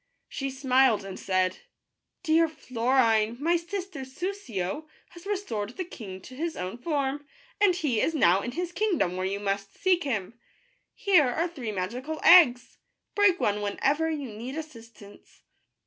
She smiled, and said :" Dear Florine, my sister Soussio has restored the king to his own form, and he is now in his kingdom, where you must seek him. Here are three magical eggs. Break one when ever you need assistance."